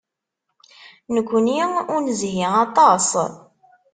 Nekkni ur nezhi aṭas.